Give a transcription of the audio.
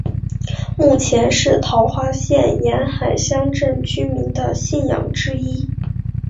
目前是桃园县沿海乡镇居民的信仰中心之一。